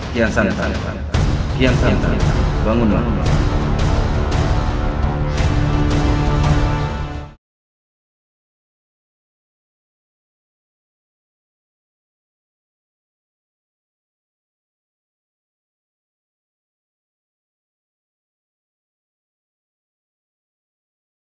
kian santai kian santai bangunlah